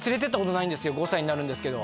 ５歳になるんですけど。